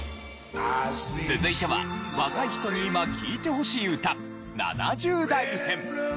続いては若い人に今聴いてほしい歌７０代編。